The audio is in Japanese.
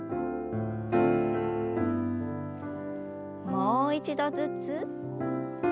もう一度ずつ。